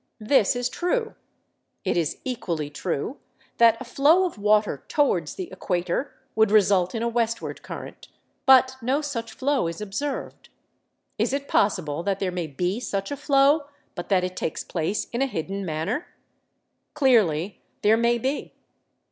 This is true. It is equally true that a flow of water towards the equator would result in a westward current. But no such flow is observed. Is it possible that there may be such a flow, but that it takes place in a hidden manner? Clearly there may be.